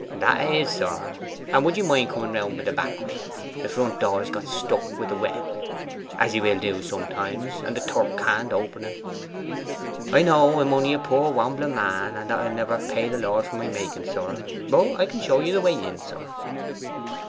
'That 'a is, sir. And would ye mind coming round by the back way? The front door is got stuck wi' the wet, as he will do sometimes; and the Turk can't open en. I know I am only a poor wambling man that 'ill never pay the Lord for my making, sir; but I can show the way in, sir.